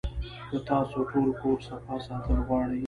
کۀ تاسو ټول کور صفا ساتل غواړئ